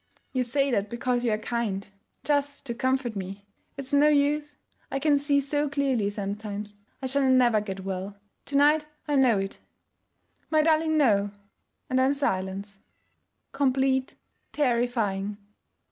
'You say that because you are kind. Just to comfort me. It's no use. I can see so clearly, sometimes, I shall never get well to night I know it.' 'My darling, no.' And then silence, complete, terrifying.